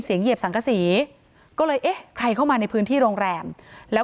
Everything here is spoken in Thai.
เหยียบสังกษีก็เลยเอ๊ะใครเข้ามาในพื้นที่โรงแรมแล้ว